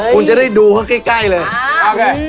คุณจะได้ดูเข้าใกล้เลย